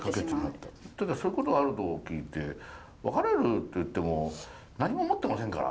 ただそういうことある時って別れるっていっても何も持ってませんから。